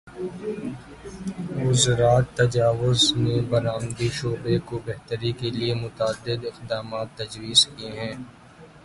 وزارت تجارت نے برآمدی شعبے کو بہتری کیلیے متعدد اقدامات تجویز کیے ہیں